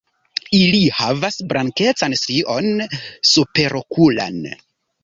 Ili havas blankecan strion superokulan.